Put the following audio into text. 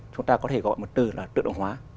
chúng ta có thể gọi một từ là tự động hóa